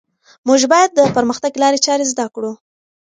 موږ باید د پرمختګ لارې چارې زده کړو.